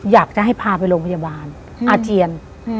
อยากจะให้พาไปโรงพยาบาลอาเจียน